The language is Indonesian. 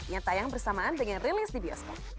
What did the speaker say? yang tayang bersamaan dengan rilis di bioskop